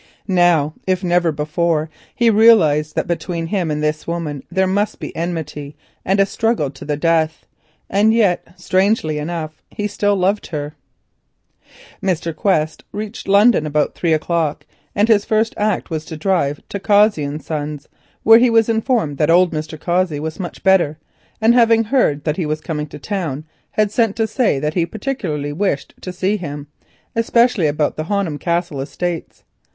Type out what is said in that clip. Now, if never before, he realised that between him and this woman there must be enmity and a struggle to the death; and yet strangely enough he still loved her! Mr. Quest reached London about three o'clock, and his first act was to drive to Cossey and Son's, where he was informed that old Mr. Cossey was much better, and having heard that he was coming to town had sent to say that he particularly wished to see him, especially about the Honham Castle estates.